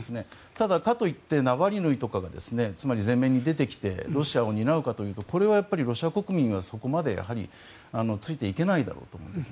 ただ、かといってナワリヌイとかが前面に出てきてロシアを担うかというとロシア国民はそこまでついていけないだろうと思います。